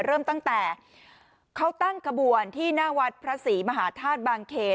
เริ่มตั้งแต่เขาตั้งขบวนที่หน้าวัดพระศรีมหาธาตุบางเขน